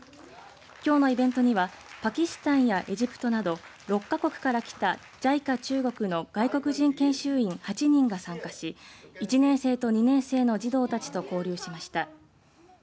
きょうのイベントにはパキスタンやエジプトなど６か国から来たＪＩＣＡ中国の外国人研修員８人が参加し１年生と２年生の児童たちと交流しました。